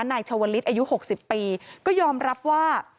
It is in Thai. นายชาวลิศอายุ๖๐ปีก็ยอมรับว่า